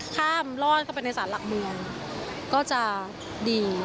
ข้ามลอดเข้าไปในสารหลักเมืองก็จะดี